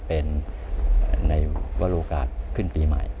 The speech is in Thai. เป็นในวรโอกาสขึ้นปีใหม่